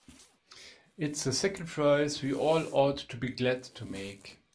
It's a sacrifice we all ought to be glad to make.